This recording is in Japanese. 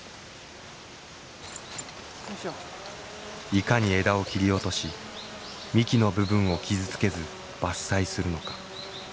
いかに枝を切り落とし幹の部分を傷つけず伐採するのか。